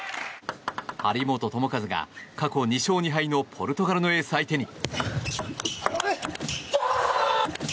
張本智和が過去２勝２敗のポルトガルエース相手に。